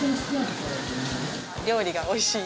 料理がおいしい。